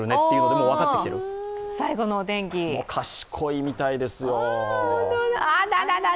もう賢いみたいですよ。